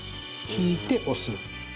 引いて押す。